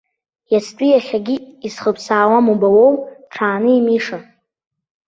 Иацтәи иахьагьы исхыԥсаауам убауоу, ҽааны имиша.